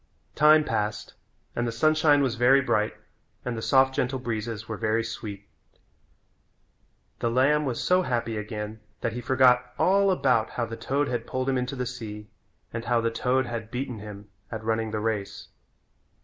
Time passed and the sunshine was very bright and the soft, gentle breezes were very sweet. The lamb was so happy again that he forgot all about how the toad had pulled him into the sea, and how the toad had beaten him at running the race.